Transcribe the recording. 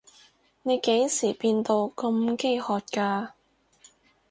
你幾時變到咁飢渴㗎？